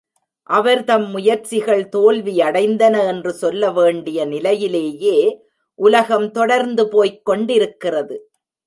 அவர் தம் முயற்சிகள் தோல்வியடைந்தன என்று சொல்ல வேண்டிய நிலையிலேயே உலகம் தொடர்ந்து போய்க் கொண்டிருக்கிறது.